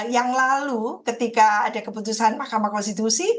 yang lalu ketika ada keputusan mahkamah konstitusi